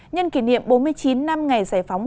nhân kỷ niệm bốn mươi chín năm ngày giải phóng